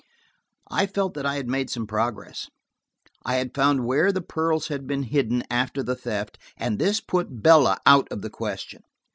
I felt that I had made some progress: I had found where the pearls had been hidden after the theft, and this put Bella out of the question.